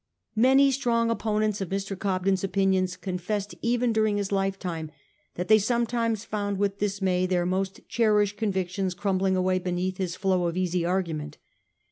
Many strong opponents of Mr. Cobden's opinions confessed even during his life time that they sometimes found with dismay their most cherished 'convictions crumbling away beneath his flow of easy argument.